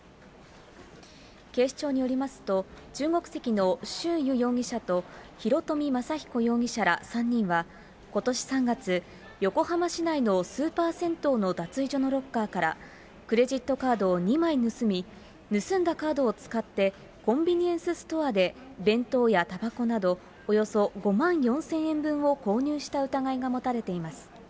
警視庁によりますと、中国籍の周瑜容疑者と、広冨雅彦容疑者ら３人は、ことし３月、横浜市内のスーパー銭湯の脱衣所のロッカーから、クレジットカードを２枚盗み、盗んだカードを使ってコンビニエンスストアで、弁当やたばこなど、およそ５万４０００円分を購入した疑いが持たれています。